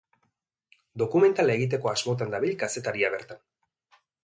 Dokumentala egiteko asmotan dabil kazetaria bertan.